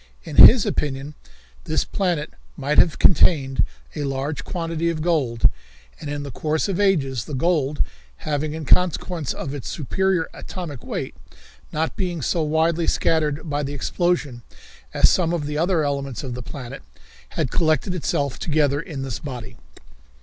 In his opinion, this planet might have contained a large quantity of gold, and in the course of ages the gold, having, in consequence of its superior atomic weight, not being so widely scattered by the explosion as some of the other elements of the planet, had collected itself together in this body.